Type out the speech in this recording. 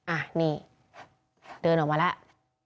อ่ะนี่เดินออกมาแล้ว